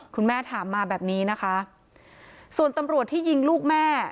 คุณแม่ถามมาแบบนี้นะคะส่วนตำรวจที่ยิงลูกแม่